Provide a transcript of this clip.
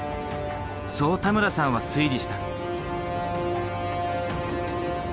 そう田村さんは推理した。